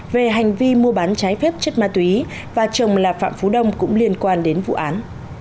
về hành vi mua bán trái phép chất ma túy và chồng là phạm phú đông cũng liên quan đến vụ án